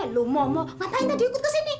lo mohon mohon matahari gak diikut ke sini